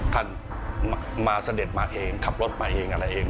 ท่านมาเสด็จมาเองขับรถมาเองอะไรเอง